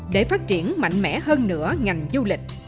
để phát triển mạnh mẽ hơn nữa ngành du lịch